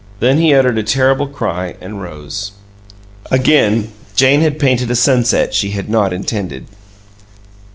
Then he uttered a terrible cry and rose. Again Jane had painted a sunset she had not intended.